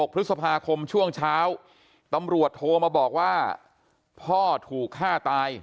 พฤษภาคมช่วงเช้าตำรวจโทรมาบอกว่าพ่อถูกฆ่าตาย